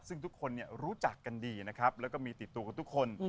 ซึ่งทุกคนรู้จักกันดีนะครับแล้วก็มีติดตัวกับทุกคน